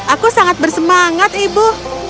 aku sangat bersemangat ibu